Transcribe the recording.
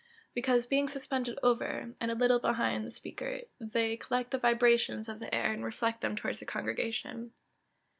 _ Because, being suspended over, and a little behind, the speaker, they collect the vibrations of the air, and reflect them towards the congregation.